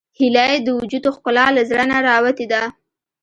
هیلۍ د وجود ښکلا له زړه نه راوتې ده